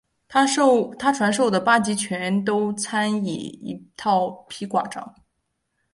他传授的八极拳都参以一套劈挂掌。